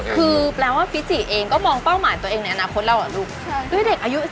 คือแปลว่าฟิจิเองก็มองเป้าหมายตัวเองในอนาคตเราอะลูก